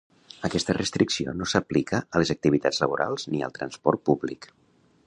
Aquesta restricció no s’aplica a les activitats laborals ni al transport públic.